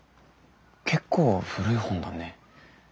結構古い本だね。